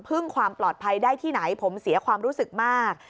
ความปลอดภัยได้ที่ไหนผมเสียความรู้สึกมาก